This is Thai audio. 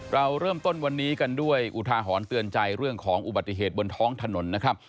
เราเริ่มต้นวันนี้กันด้วยอุทาหรณ์เตือนใจเรื่องของอุบัติเหตุบนท้องถนนนะครับ